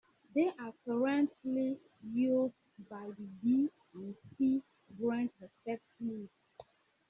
They are currently used by the "B" and "C" Branches respectively.